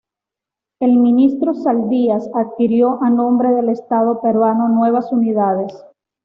El ministro Saldías adquirió a nombre del estado peruano nuevas unidades.